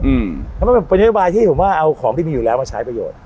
อืมทำไมมันเป็นประโยชน์ที่ผมว่าเอาของที่มีอยู่แล้วมาใช้ประโยชน์